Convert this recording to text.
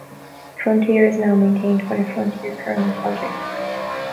Frontier is now maintained by the Frontier Kernel Project.